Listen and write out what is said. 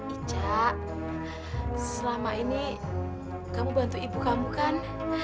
ica selama ini kamu bantu ibu kamu kan